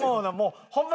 ホンマ